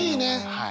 はい。